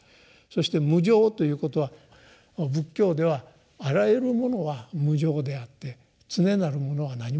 そして無常ということは仏教ではあらゆるものは無常であって常なるものは何もないと。